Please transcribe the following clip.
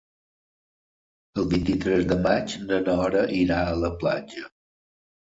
El vint-i-tres de maig na Nora irà a la platja.